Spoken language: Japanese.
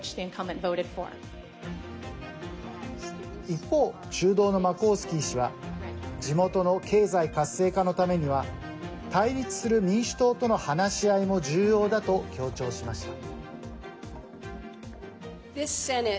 一方、中道のマコウスキー氏は地元の経済活性化のためには対立する民主党との話し合いも重要だと強調しました。